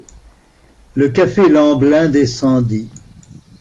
Le café Lemblin descendit.